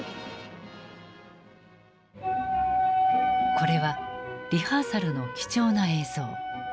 これはリハーサルの貴重な映像。